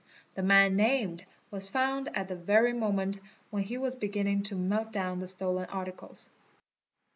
The man named was found at the very moment when he was beginning to melt down the stolen articles.